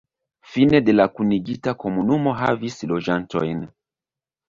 Fine de la kunigita komunumo havis loĝantojn.